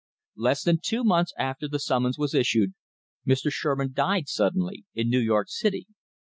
Less than two months after the summons was issued Mr. Sherman died suddenly in New York City.